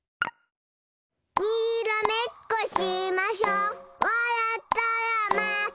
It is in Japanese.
にらめっこしましょわらったらまけよ。